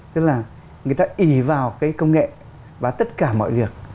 tức là người ta ý vào cái công nghệ và tất cả mọi việc